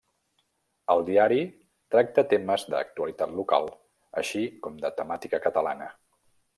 El diari tracta temes d'actualitat local, així com de temàtica catalana.